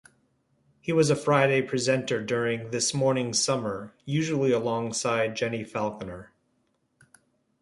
He was a Friday presenter during "This Morning Summer", usually alongside Jenni Falconer.